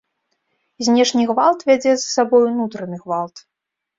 Знешні гвалт вядзе за сабой унутраны гвалт.